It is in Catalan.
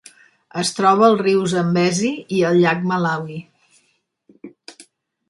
Es troba al riu Zambezi i al llac Malawi.